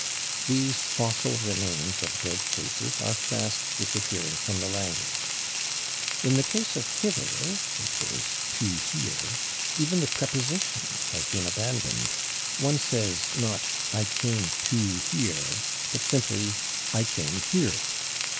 These fossil remains of dead cases are fast disappearing from the language. [Pg229] In the case of /hither/ (=/to here/) even the preposition has been abandoned. One says, not "I came /to here/," but simply "I came /here